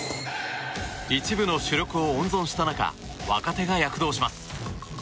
一部の主力を温存した中若手が躍動します。